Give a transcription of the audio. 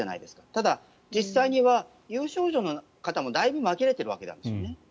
ただ、実際には有症状の方もだいぶ紛れているわけなんですね。